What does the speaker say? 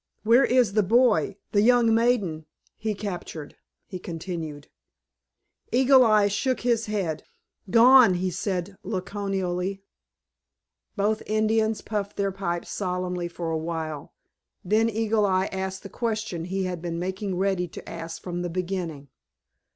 "Where is the boy—the young maiden—he captured?" he continued. Eagle Eye shook his head. "Gone!" he said laconically. Both Indians puffed their pipes solemnly for a while. Then Eagle Eye asked the question he had been making ready to ask from the beginning.